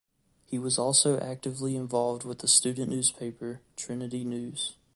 He was also actively involved with the student newspaper "Trinity News".